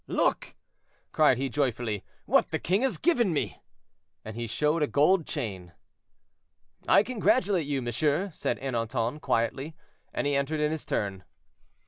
"Look!" cried he joyfully, "what the king has given me," and he showed a gold chain. "I congratulate you, monsieur," said Ernanton, quietly, and he entered in his turn.